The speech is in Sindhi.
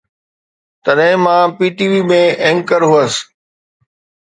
تڏهن مان پي ٽي وي ۾ اينڪر هوس.